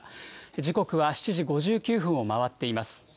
時刻は７時５９分を回っています。